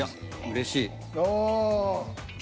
うれしい。